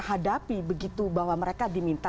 hadapi begitu bahwa mereka diminta